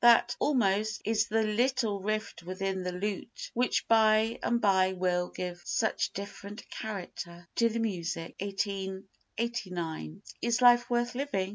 That "almost" is the little rift within the lute which by and by will give such different character to the music. [1889.] Is Life Worth Living?